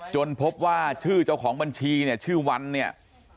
พบว่าชื่อเจ้าของบัญชีเนี่ยชื่อวันเนี่ย